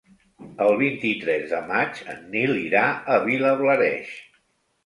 El vint-i-tres de maig en Nil irà a Vilablareix.